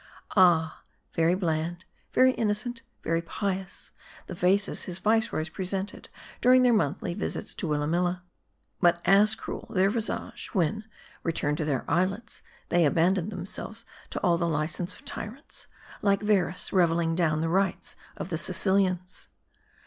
Ah ! very bland, very innocent, very pious, the faces his viceroys presented during their monthly visits to Willamilla. But as cruel their visage, when, returned to their islets, they abandoned themselves to all the license of tyrants ; like Verres reveling down the rights of the Sicilians.